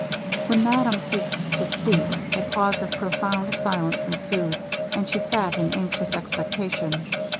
When madame ceased to speak, a pause of profound silence ensued, and she sat in anxious expectation.